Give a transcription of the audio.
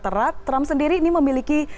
erat trump sendiri ini memiliki